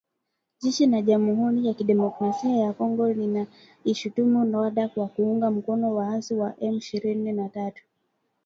Jeshi la jamuhuri ya kidemokrasia ya Kongo linaishutumu Rwanda kwa kuunga mkono waasi wa M ishirini na tatu